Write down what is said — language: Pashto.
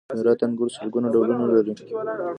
د هرات انګور سلګونه ډولونه لري.